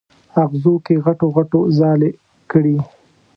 اغزو کې غټو غڼو ځالې کړي